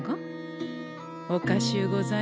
おかしゅうございますねえ。